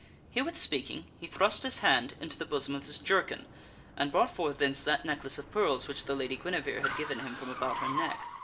Herewith speaking, he thrust his hand into the bosom of his jerkin and brought forth thence that necklace of pearls which the Lady Guinevere had given him from about her neck.